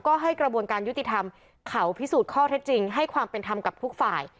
ก็ให้กระบวนการยุติธรรมเขาพิสูจน์ข้อเท็จจริงให้ความเป็นธรรมกับทุกฝ่าย